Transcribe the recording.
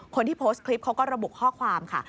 คนที่โพสต์คลิปเขาก็ระบุข้อความค่ะ